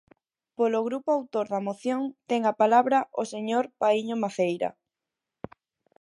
Polo grupo autor da moción, ten a palabra o señor Paíño Maceira.